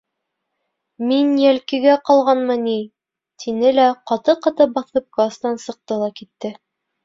Мин йәлкегә ҡалғанмы ни?! -тине лә, ҡаты-ҡаты баҫып кластан сыҡты ла китте.